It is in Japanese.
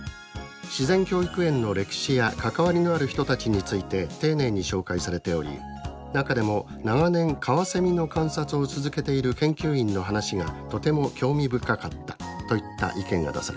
「自然教育園の歴史や関わりのある人たちについて丁寧に紹介されており中でも長年カワセミの観察を続けている研究員の話がとても興味深かった」といった意見が出されました。